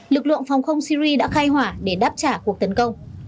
lực lượng phòng không syri đã khai hỏa để đáp trả cuộc tấn công